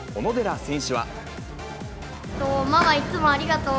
ママ、いつもありがとう。